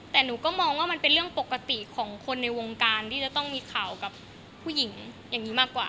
แต่หนูก็มองว่ามันเป็นเรื่องปกติของคนในวงการที่จะต้องมีข่าวกับผู้หญิงอย่างนี้มากกว่า